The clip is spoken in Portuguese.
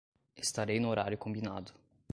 Estarei no horário combinado